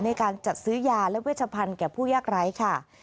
ในการจัดซื้อยาและเวชพันธ์แก่ผู้ยากไร้ค่ะ